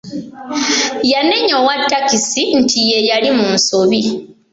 Yanenya owa takisi nti yeyali mu nsobi.